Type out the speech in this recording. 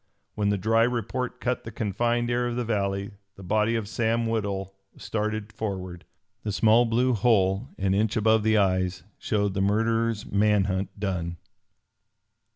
When the dry report cut the confined air of the valley, the body of Sam Woodhull started forward. The small blue hole an inch above the eyes showed the murderer's man hunt done.